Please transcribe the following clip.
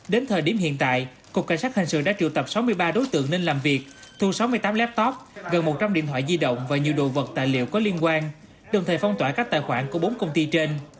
đến thời điểm hiện tại cục cảnh sát hành sự đã triệu tập sáu mươi ba đối tượng nên làm việc thu sáu mươi tám laptop gần một trăm linh điện thoại di động và nhiều đồ vật tài liệu có liên quan đồng thời phong tỏa các tài khoản của bốn công ty trên